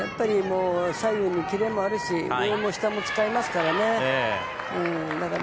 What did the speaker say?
左右にキレもあるし上も下も使えますから。